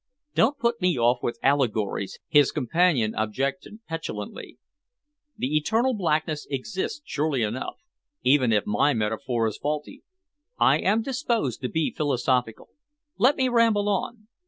"Don't put me off with allegories," his companion objected petulantly. "The eternal blackness exists surely enough, even if my metaphor is faulty. I am disposed to be philosophical. Let me ramble on.